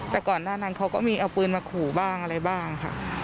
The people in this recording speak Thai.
แต่ก่อนหน้านั้นเขาก็มีเอาปืนมาขู่บ้างอะไรบ้างค่ะ